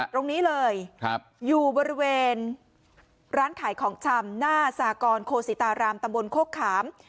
ตรงนี้เลยอยู่บริเวณร้านขายของชำหน้าสากรโคสิตารามตำบลโคกขาม